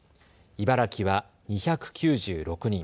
茨城は２９６人。